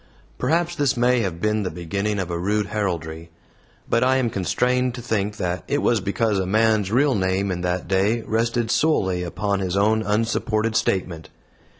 Perhaps this may have been the beginning of a rude heraldry; but I am constrained to think that it was because a man's real name in that day rested solely upon his own unsupported statement.